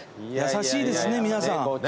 優しいですね皆さん。